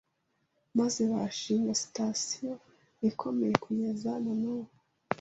maze bahashinga sitasiyo ikomeye kugeza na n’ubu